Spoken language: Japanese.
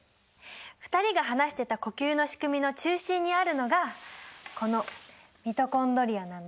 ２人が話してた呼吸の仕組みの中心にあるのがこのミトコンドリアなんだよ。